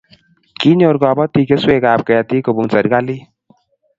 Kinyor kobotik keswekab ketik kobun serkalit